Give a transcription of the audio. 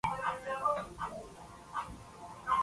To date, three different obverses have been used.